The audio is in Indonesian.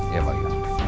iya pak yu